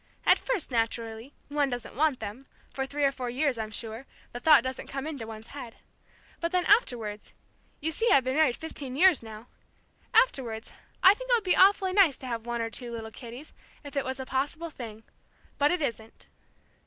At first, naturally, one doesn't want them, for three or four years, I'm sure, the thought doesn't come into one's head. But then, afterwards, you see, I've been married fifteen years now! afterwards, I think it would be awfully nice to have one or two little kiddies, if it was a possible thing. But it isn't."